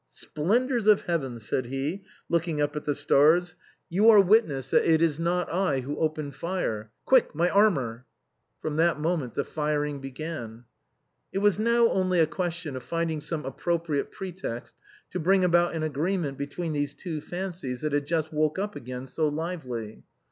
" Splendors of heaven," said he, looking up at the stars, " you are witnesses that it is not I who opened fire. Quick, my armor." From that moment firing began. It was now only a question of finding some appropriate pretext to bring about an agreement between these two fancies that had Just woke up again so lively.